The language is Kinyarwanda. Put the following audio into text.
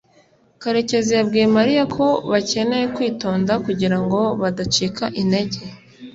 karekezi yabwiye mariya ko bakeneye kwitonda kugirango badacika intege